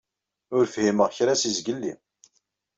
Ur fhimeɣ kra seg zgelli.